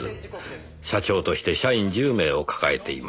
社長として社員１０名を抱えています。